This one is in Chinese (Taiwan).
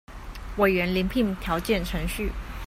委員遴聘條件程序